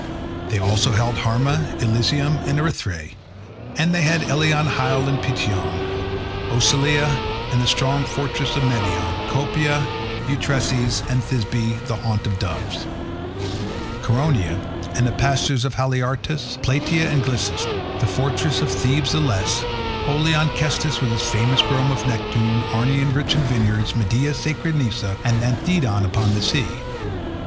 They also held Harma, Eilesium, and Erythrae; and they had Eleon, Hyle, and Peteon; Ocalea and the strong fortress of Medeon; Copae, Eutresis, and Thisbe the haunt of doves; Coronea, and the pastures of Haliartus; Plataea and Glisas; the fortress of Thebes the less; holy Onchestus with its famous grove of Neptune; Arne rich in vineyards; Midea, sacred Nisa, and Anthedon upon the sea.